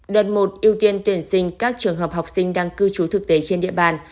đợt một ưu tiên tuyển sinh các trường hợp học sinh đang cư trú thực tế trên địa bàn